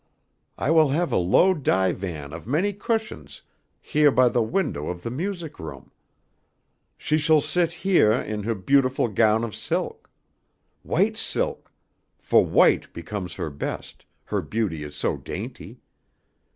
I will have a low divan of many cushions heah by the window of the music room. She shall sit heah in her beautiful gown of silk. White silk, fo' white becomes her best, her beauty is so dainty.